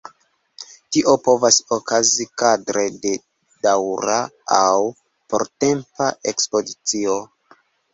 Tio povas okazi kadre de daŭra aŭ portempa ekspozicio.